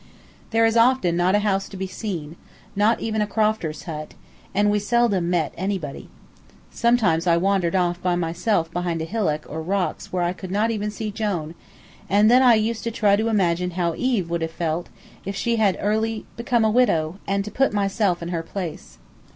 There is often not a house to be seen, not even a crofter's hut, and we seldom met anybody. Sometimes I wandered off by myself behind a hillock or rocks where I could not even see Jone, and then I used to try to imagine how Eve would have felt if she had early become a widow, and to put myself in her place.